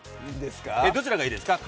どちらがいいですか。